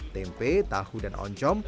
tempe tahu dan oncom